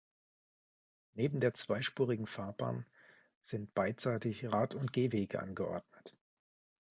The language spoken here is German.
Neben der zweispurigen Fahrbahn sind beidseitig Rad- und Gehwege angeordnet.